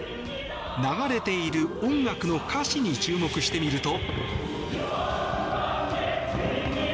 流れている音楽の歌詞に注目してみると。